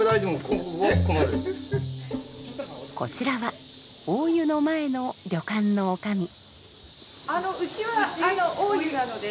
こちらは大湯の前の旅館のおかみ。